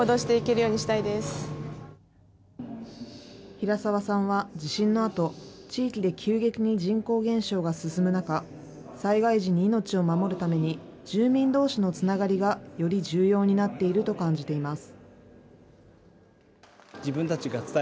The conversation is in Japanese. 平澤さんは地震のあと、地域で急激に人口減少が進む中、災害時に命を守るために、住民どうしのつながりがより重要になっていると感じています。